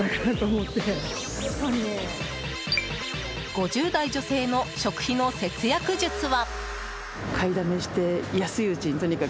５０代女性の食費の節約術は。